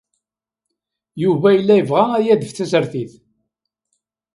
Yuba yella yebɣa ad yadef tasertit.